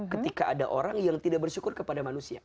ketika ada orang yang tidak bersyukur kepada manusia